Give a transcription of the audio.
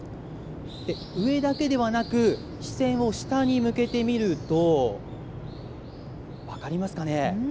上だけではなく、視線を下に向けてみると、分かりますかね。